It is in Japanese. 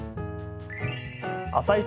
「あさイチ」